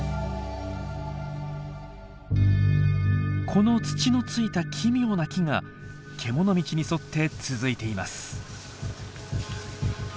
この土のついた奇妙な木がけもの道に沿って続いています。